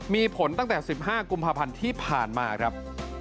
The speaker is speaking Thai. มีผลตั้งแต่๑๕กุมภาพันธ์ที่ผ่านมาครับ